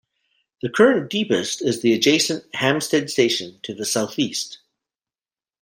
The current deepest is the adjacent Hampstead station to the south-east.